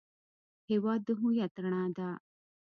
هېواد د هویت رڼا ده.